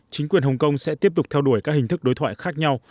chính quyền hồng kông sẽ tiếp tục theo đuổi các hình thức đối thoại khác nhau